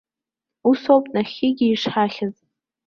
Усоуп нахьхьигьы ишҳахьыз.